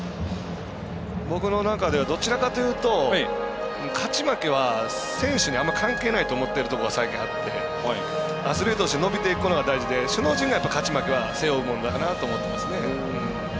僕の中ではどちらかというと勝ち負けは選手にあんまり関係ないと思っているところが最近あってアスリートとして伸びていくのが大事で首脳陣が勝ち負けは背負うものだからと思いますね。